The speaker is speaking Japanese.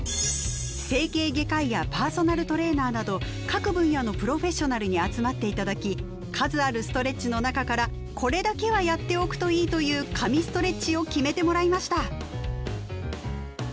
各分野のプロフェッショナルに集まって頂き数あるストレッチの中から「これだけはやっておくといい」という「神ストレッチ」を決めてもらいました。